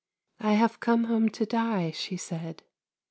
" I have come home to die," she said.